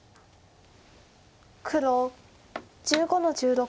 黒１５の十六。